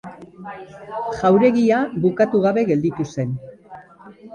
Jauregia bukatu gabe gelditu zen.